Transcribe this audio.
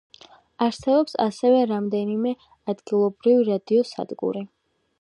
არსებობს ასევე რამდენიმე ადგილობრივი რადიოსადგური.